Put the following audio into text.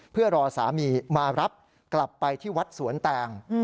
เพื่อรอสามีมารับกลับไปที่วัดสวนแตง